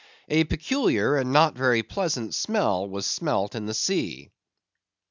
A peculiar and not very pleasant smell was smelt in the sea.